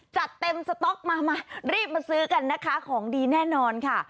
จัดเต็มสต๊อกมามารีบมาซื้อกันนะคะของดีแน่นอนค่ะ